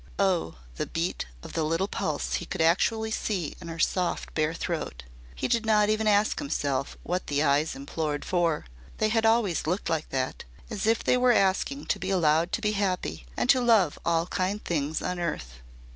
Oh! the beat of the little pulse he could actually see in her soft bare throat. He did not even ask himself what the eyes implored for. They had always looked like that as if they were asking to be allowed to be happy and to love all kind things on earth.